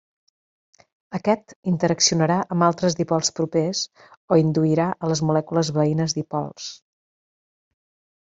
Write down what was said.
Aquest interaccionarà amb altres dipols propers o induirà a les molècules veïnes dipols.